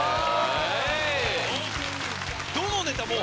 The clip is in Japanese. どのネタも。